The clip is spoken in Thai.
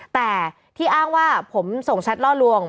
แต่ที่อ้างว่าผมส่งแชทล่อลวง